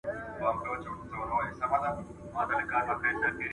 کوم عوامل د فقر لامل دي؟